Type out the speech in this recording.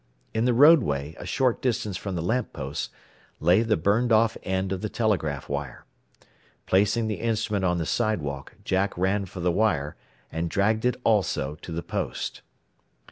In the roadway a short distance from the lamp post lay the burned off end of the telegraph wire. Placing the instrument on the sidewalk, Jack ran for the wire, and dragged it also to the post.